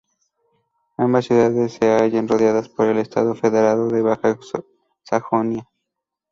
Ambas ciudades se hallan rodeadas por el estado federado de Baja Sajonia.